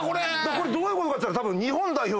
これどういうことかっていったら。